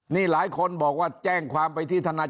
นี่หลายคนบอกว่าแจ้งความไปที่ทนาย